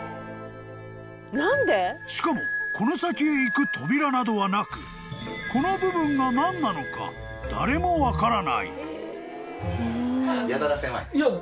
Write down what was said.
［しかもこの先へ行く扉などはなくこの部分が何なのか誰も分からない］